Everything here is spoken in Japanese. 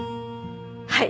はい。